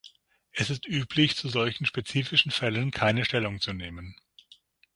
Es ist üblich, zu solchen spezifischen Fällen keine Stellung zu nehmen.